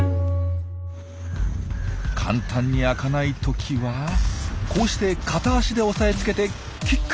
簡単に開かない時はこうして片足で押さえつけてキック。